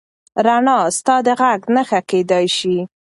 رڼا ستا د غږ نښه کېدی شي.